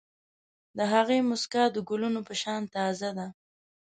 د هغې موسکا د ګلونو په شان تازه ده.